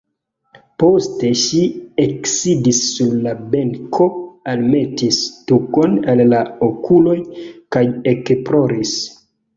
Poste ŝi eksidis sur la benko, almetis tukon al la okuloj kaj ekploris.